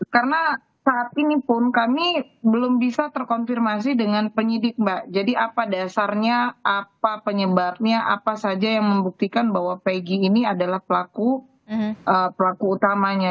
karena saat ini pun kami belum bisa terkonfirmasi dengan penyidik mbak jadi apa dasarnya apa penyebabnya apa saja yang membuktikan bahwa peggy ini adalah pelaku utamanya